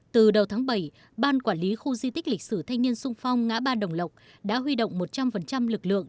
từ đầu tháng bảy ban quản lý khu di tích lịch sử thanh niên sung phong ngã ba đồng lộc đã huy động một trăm linh lực lượng